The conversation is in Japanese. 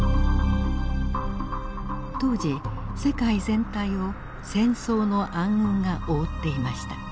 当時世界全体を戦争の暗雲が覆っていました。